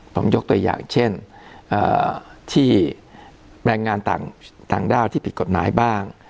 ผมยกตัวอย่างเช่นที่แรงงานต่างด้าวที่ผิดกฎหมายบ้าง